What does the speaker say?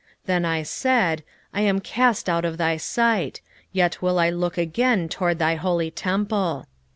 2:4 Then I said, I am cast out of thy sight; yet I will look again toward thy holy temple.